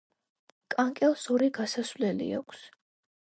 კანკელს ორი გასასვლელი აქვს.